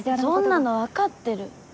そんなの分かってる。